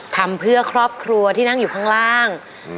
ทำเพื่อครอบครัวที่นั่งอยู่ข้างล่าง